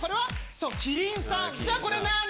そうキリンさんじゃこれ何なん？